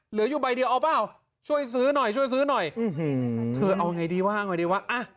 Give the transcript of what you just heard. เหลืออยู่ใบเดียวเอาเปล่าช่วยซื้อหน่อยช่วยซื้อหน่อยเธอเอาไงดีว่างหน่อยดีวะ